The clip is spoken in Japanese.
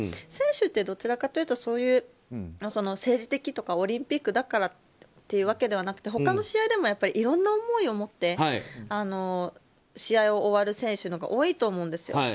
選手ってどちらかというとそういう政治的というかオリンピックだからっていう訳ではなくて他の試合でもいろいろな思いを持って試合を終わる選手のほうが多いと思うんですよ。